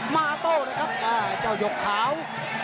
มาโต้นะครับเจ้าหยกขาว